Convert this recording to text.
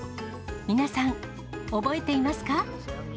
皆さん、覚えていますか？